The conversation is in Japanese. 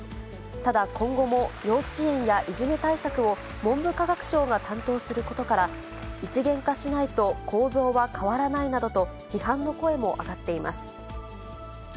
ただ、今後も幼稚園やいじめ対策を、文部科学省が担当することから、一元化しないと構造は変わらないなどと、批判の声も上がっています。